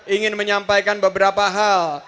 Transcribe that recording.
ingin menyampaikan beberapa hal